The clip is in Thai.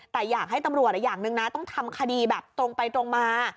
แต่อยากให้ตำรวจอย่างหนึ่งนะต้องทำคดีแบบตรงไปตรงมา